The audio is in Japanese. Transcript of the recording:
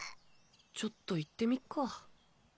ちょっと行ってみっか。